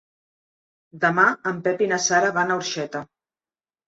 Demà en Pep i na Sara van a Orxeta.